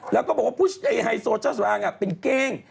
แล้วก็บอกว่าพูดชัยไอ้ไฮโซเจ้าสำอังเป็นเกง